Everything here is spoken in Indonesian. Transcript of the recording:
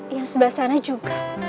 yang sebelah sana juga